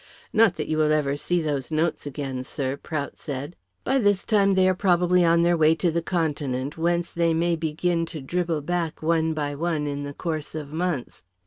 "Not that you will ever see those notes again, sir," Prout said. "By this time they are probably on their way to the Continent, whence they may begin to dribble back one by one in the course of months.